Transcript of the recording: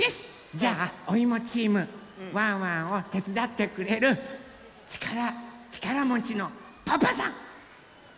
じゃあおいもチームワンワンをてつだってくれるちからもちのパパさん！